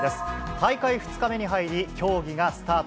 大会２日目に入り、競技がスタート。